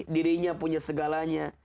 dirinya punya segalanya